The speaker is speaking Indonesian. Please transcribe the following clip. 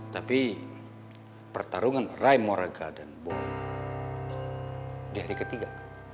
tapi pertarungan ray moraga dan boy di hari ketiga